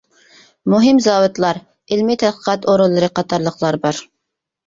مۇھىم زاۋۇتلار، ئىلمىي تەتقىقات ئورۇنلىرى قاتارلىقلار بار.